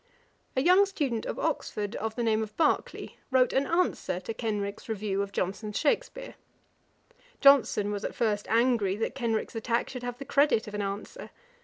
A young student of Oxford, of the name of Barclay, wrote an answer to Kenrick's review of Johnson's Shakspeare. Johnson was at first angry that Kenrick's attack should have the credit of an answer.